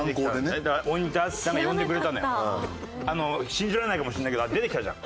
信じられないかもしれないけど出てきたじゃん。